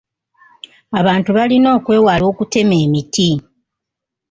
Abantu balina okwewala okutema emiti.